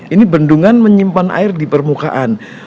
ini bendungan menyimpan air di permukaan